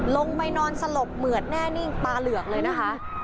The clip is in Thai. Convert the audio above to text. ลงไปนอนสลบเหมือดแน่นิ่งตาเหลือกเลยนะคะ